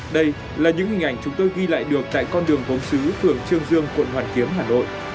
đây là những hình ảnh chúng tôi ghi lại được tại con đường gốm xứ phường trương dương quận hoàn kiếm hà nội